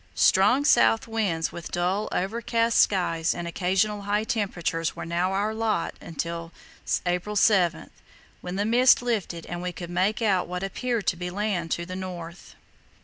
Strong south winds with dull, overcast skies and occasional high temperatures were now our lot till April 7, when the mist lifted and we could make out what appeared to be land to the north.